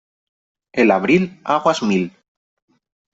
El abril, aguas mil